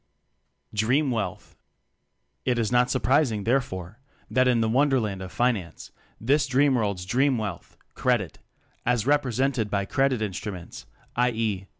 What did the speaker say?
Dream Wealth. It is not surprising therefore that in the wonderland of Finance this dreamworld's dream wealth "Credit" as represented by "credit instru ments," i. e.